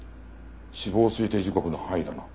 死亡推定時刻の範囲だな。